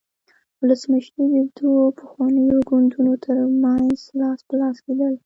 ولسمشري د دوو پخوانیو ګوندونو ترمنځ لاس په لاس کېدل.